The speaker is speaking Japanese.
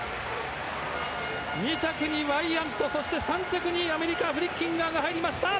２着にワイヤントそして３着にアメリカフリッキンガーが入りました。